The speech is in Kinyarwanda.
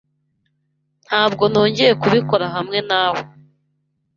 Ntabwo nongeye kubikora hamwe nawe.